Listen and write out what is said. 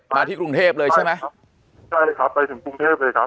มาที่กรุงเทพเลยใช่ไหมใช่เลยครับไปถึงกรุงเทพเลยครับ